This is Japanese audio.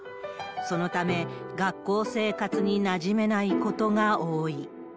そのため、学校生活になじめないことが多い。